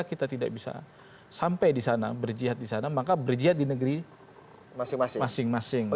kita tidak bisa sampai disana berjihad disana maka berjaya di negeri masing masing masing